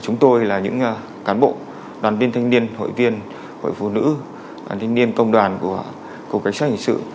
chúng tôi là những cán bộ đoàn binh thanh niên hội viên hội phụ nữ đoàn binh thanh niên công đoàn của cục cách sát hình sự